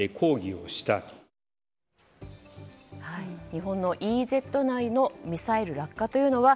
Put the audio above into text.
日本のＥＥＺ内へのミサイル落下というのは